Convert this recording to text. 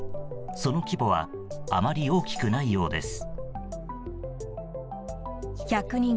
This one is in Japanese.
その規模はあまり大きくないようです。